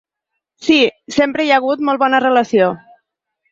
Sí, sempre hi ha hagut molt bona relació.